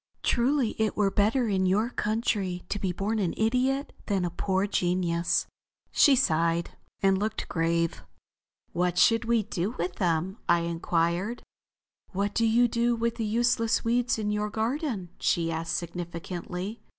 Truly it were better in your country to be born an idiot than a poor genius." She sighed and looked grave. "What should we do with them?" I inquired. "What do you do with the useless weeds in your garden," she asked significantly.